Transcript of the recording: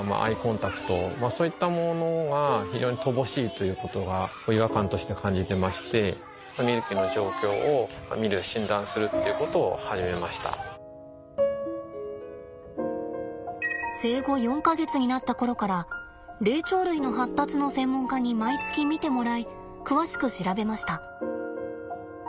ということが違和感として感じてまして生後４か月になった頃から霊長類の発達の専門家に毎月見てもらい詳しく調べました。